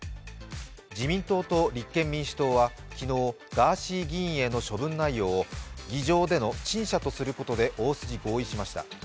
自民党と立憲民主党は昨日、ガーシー議員への処分内容を議場での陳謝とすることで大筋合意しました。